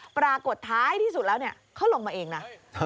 ปรากฏท้ายที่สุดแล้วเขาลงมาเองนะ